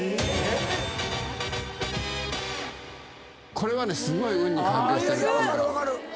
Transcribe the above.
これはねすごい運に関係してる。